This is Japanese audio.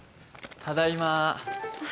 ただいま。